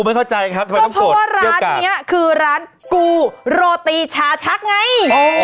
ไม่เข้าใจครับก็เพราะว่าร้านเนี้ยคือร้านกูโรตีชาชักไงโอ้ย